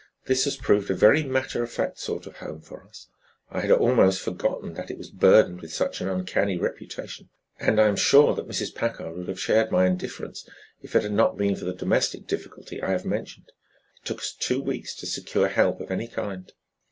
This has proved a very matter of fact sort of home for us. I had almost forgotten that it was burdened with such an uncanny reputation, and I'm sure that Mrs. Packard would have shared my indifference if it had not been for the domestic difficulty I have mentioned. It took us two weeks to secure help of any kind."